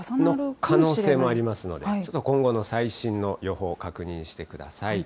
可能性もありますので、ちょっと今後の最新の予報を確認してください。